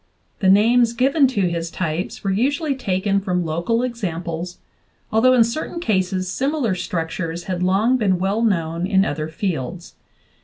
The names given to his types were usually taken from local examples, although in certain cases similar structures had long been well known in other fields.